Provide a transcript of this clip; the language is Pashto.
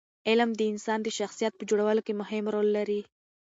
علم د انسان د شخصیت په جوړولو کې مهم رول لري.